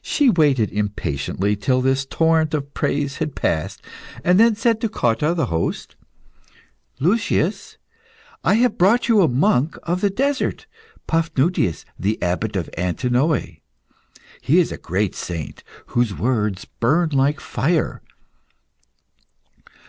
She waited impatiently till this torrent of praise had passed, and then said to Cotta, the host "Lucius, I have brought you a monk of the desert, Paphnutius, the Abbot of Antinoe. He is a great saint, whose words burn like fire."